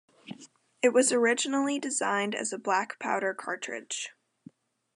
It was originally designed as a black powder cartridge.